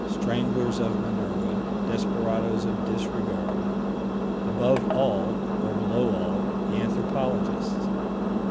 Stranglers of Minerva. Desperadoes of disregard. Above all, or below all, the anthropologists.